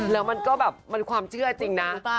แล้วมันก็แบบมันความเชื่อจริงนะ